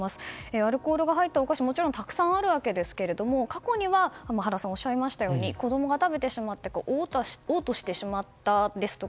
アルコールが入ったお菓子はもちろんたくさんありますが過去には原さんがおっしゃいましたように子供が食べてしまって嘔吐してしまったですとか